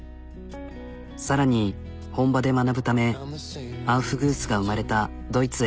更に本場で学ぶためアウフグースが生まれたドイツへ。